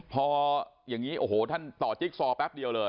พออย่างนี้โอ้โหท่านต่อจิ๊กซอแป๊บเดียวเลย